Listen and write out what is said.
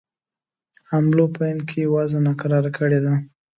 حملو په هند کې وضع ناکراره کړې ده.